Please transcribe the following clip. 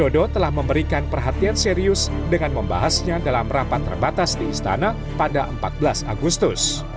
jokowi dodo telah memberikan perhatian serius dengan membahasnya dalam rapat terbatas di istana pada empat belas agustus